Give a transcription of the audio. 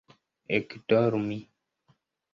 ekdormi